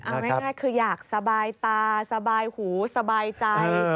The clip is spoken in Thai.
เอาง่ายคืออยากสบายตาสบายหูสบายใจ